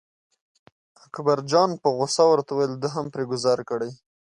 اکبرجان په غوسه ورته وویل ده هم پرې ګوزار کړی.